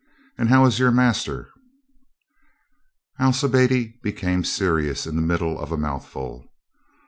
"And how is your master?" Alcibiade became serious in the middle of a mouthful.